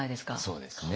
そうですね。